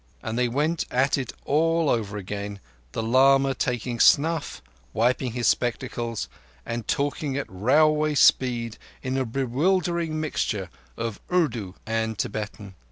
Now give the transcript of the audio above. And they went at it all over again, the lama taking snuff, wiping his spectacles, and talking at railway speed in a bewildering mixture of Urdu and Tibetan.